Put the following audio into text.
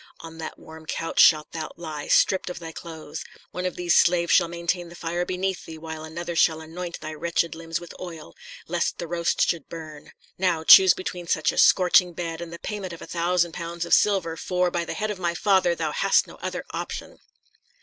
On that warm couch shalt thou lie, stripped of thy clothes. One of these slaves shall maintain the fire beneath thee, while another shall anoint thy wretched limbs with oil, lest the roast should burn. Now, choose between such a scorching bed and the payment of a thousand pounds of silver; for, by the head of my father, thou hast no other option."